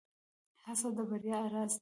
هڅه د بريا راز دی.